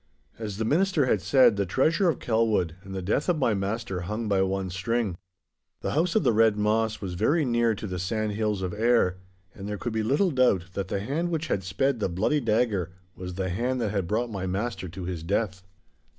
As the minister had said, the treasure of Kelwood and the death of my master hung by one string. The House of the Red Moss was very near to the sandhills of Ayr, and there could be little doubt that the hand which had sped the bloody dagger was the hand that had brought my master to his death.